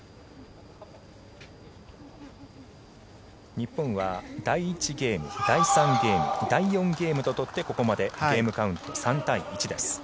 日本は第１ゲーム第３ゲーム、第４ゲームと取ってここまでゲームカウント３対１です。